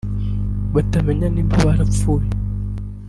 batamenye niba barapfuye